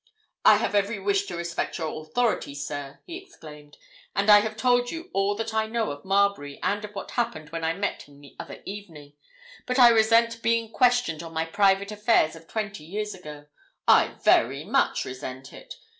"I have every wish to respect your authority, sir!" he exclaimed. "And I have told you all that I know of Marbury and of what happened when I met him the other evening. But I resent being questioned on my private affairs of twenty years ago—I very much resent it!